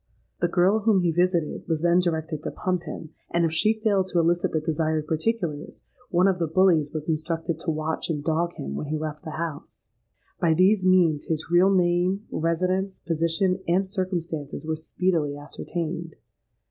The girl whom he visited, was then directed to pump him; and if she failed to elicit the desired particulars, one of the bullies was instructed to watch and dog him when he left the house. By these means, his real name, residence, position, and circumstances, were speedily ascertained.